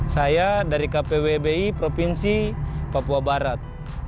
saya dari kpwbi provinsi papua barat